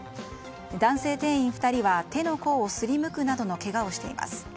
男性店員２人は手の甲をすりむくなどのけがをしています。